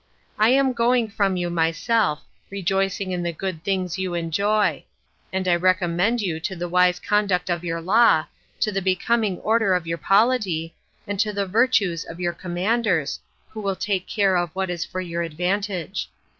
I am going from you myself, rejoicing in the good things you enjoy; and I recommend you to the wise conduct of your law, to the becoming order of your polity, and to the virtues of your commanders, who will take care of what is for your advantage.